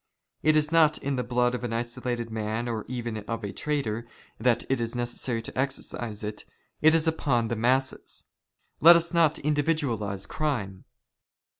" It is not in the blood of an isolated man, or even of a traitor, " that it is necessary to exercise it ; it is upon the masses. Let " us not individualize crime.